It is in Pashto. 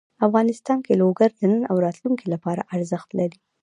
افغانستان کې لوگر د نن او راتلونکي لپاره ارزښت لري.